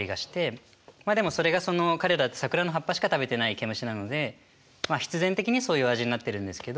まあでもそれが彼ら桜の葉っぱしか食べてないケムシなのでまあ必然的にそういう味になってるんですけど。